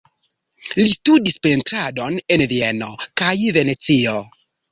Li studis pentradon en Vieno kaj Venecio.